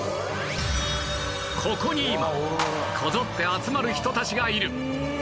ここに今こぞって集まる人たちがいる